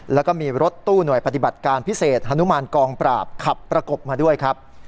แล้วก็มีรถตู้หน่วยปฏิบัติการพิเศษฮนุมานกองปราบขับประกบมาด้วยครับ